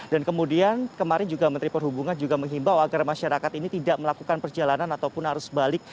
dan kemudian kemarin juga menteri perhubungan juga menghimbau agar masyarakat ini tidak melakukan perjalanan ataupun arus balik